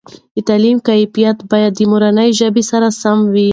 دتعلیم کیفیت باید د مورنۍ ژبې سره سم وي.